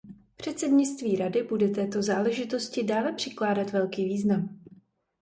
Předsednictví Rady bude této záležitosti dále přikládat velký význam.